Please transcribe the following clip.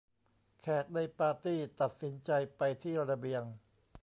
แขกในปาร์ตี้ตัดสินใจไปที่ระเบียง